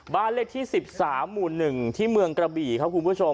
บ้านเลขที่๑๓หมู่๑ที่เมืองกระบี่ครับคุณผู้ชม